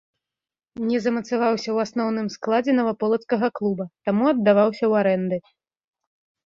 Не замацаваўся ў асноўным складзе наваполацкага клуба, таму аддаваўся ў арэнды.